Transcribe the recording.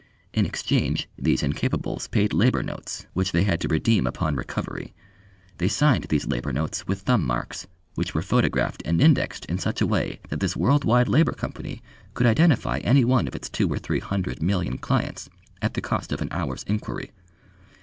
In exchange these incapables paid labour notes, which they had to redeem upon recovery. They signed these labour notes with thumb marks, which were photographed and indexed in such a way that this world wide Labour Company could identify any one of its two or three hundred million clients at the cost of an hour's inquiry.